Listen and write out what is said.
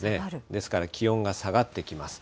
ですから、気温が下がってきます。